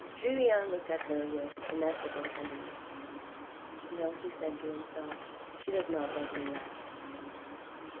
Julien looked at her with ineffable tenderness, " No," he said to himself, " she does not love me less."